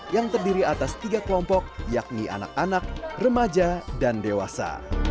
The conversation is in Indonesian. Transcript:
yang terdiri atas tiga kelompok yakni anak anak remaja dan dewasa